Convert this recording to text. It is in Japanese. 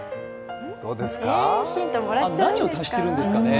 あれは何を足してるんですかね。